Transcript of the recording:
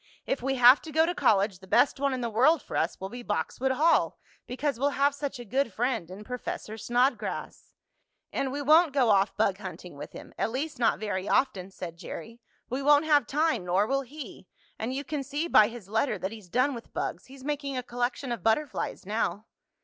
If we have to go to college the best one in the world for us will be Boxwood Hall, because we'll have such a good friend in Professor Snodgrass." "And we won't go off bug hunting with him at least not very often," said Jerry. "We won't have time, nor will he. And you can see by his letter that he's done with bugs. He's making a collection of butterflies now."